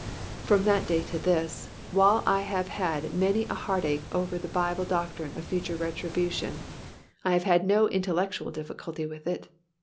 From that day to this, while I have had many a heartache over the Bible doctrine of future retribution, I have had no intellectual difficulty with it.